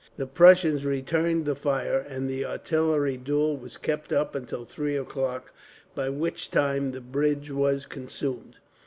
The Prussians returned the fire, and the artillery duel was kept up until three o'clock, by which time the bridge was consumed.